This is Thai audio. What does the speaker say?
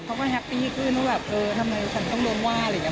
เขาก็แฮปปี้ขึ้นว่าแบบเออทำไมฉันต้องลงว่าอะไรอย่างนี้